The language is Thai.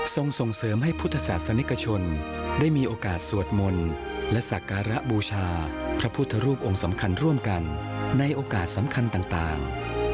ส่งส่งเสริมให้พุทธศาสนิกชนได้มีโอกาสสวดมนต์และสักการะบูชาพระพุทธรูปองค์สำคัญร่วมกันในโอกาสสำคัญต่าง